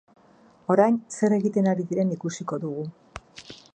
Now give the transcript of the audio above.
Orain zer egiten ari diren ikusiko dugu.